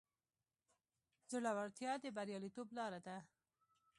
زړورتیا د بریالیتوب لاره ده.